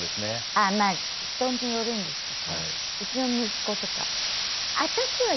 ああまあ人によるんですけどうちの息子とか。